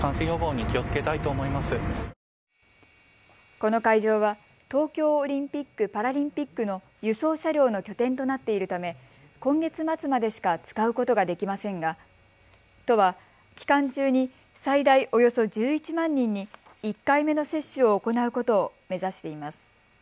この会場は東京オリンピック・パラリンピックの輸送車両の拠点となっているため今月末までしか使うことができませんが、都は期間中に最大およそ１１万人に１回目の接種を行うことを目指しています。